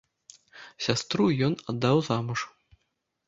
Сястру ён аддаў замуж.